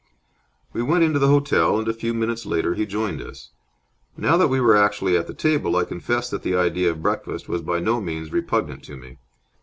We went into the hotel, and a few minutes later he joined us. Now that we were actually at the table, I confess that the idea of breakfast was by no means repugnant to me.